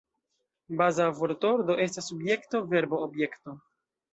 Baza vortordo estas Subjekto-Verbo-Objekto.